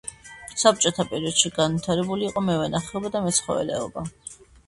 საბჭოთა პერიოდში განვითარებული იყო მევენახეობა და მეცხოველეობა.